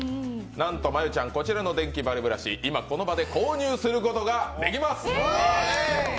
なんと真悠ちゃん、こちらのデンキバリブラシ、今こちらで購入することができます。